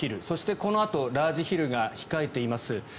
そして、このあとラージヒルが控えています。